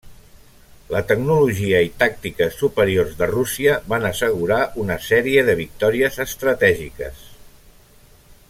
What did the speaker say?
La tecnologia i tàctiques superiors de Rússia van assegurar una sèrie de victòries estratègiques.